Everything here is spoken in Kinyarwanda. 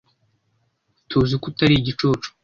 Tuziko utari igicucu.